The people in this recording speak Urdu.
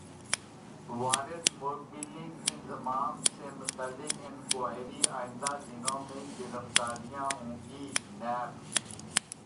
واردموبی لنک انضمام سے متعلق انکوائری ئندہ دنوں میں گرفتاریاں ہوں گی نیب